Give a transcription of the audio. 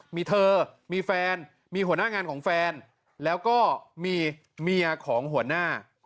มีเธอมีแฟนมีหัวหน้างานของแฟนแล้วก็มีเมียของหัวหน้า